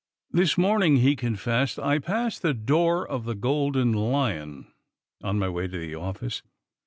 "This morning," he confessed, "I passed the door of the Golden Lion on my way to the office.